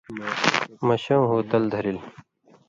مہ شؤں ہُو تلہ دھرِل